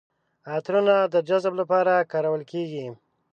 عطرونه د جذب لپاره کارول کیږي.